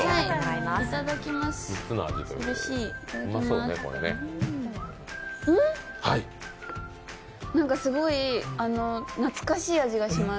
すごい懐かしい味がします。